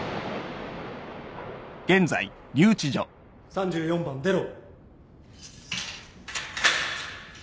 ・３４番出ろ。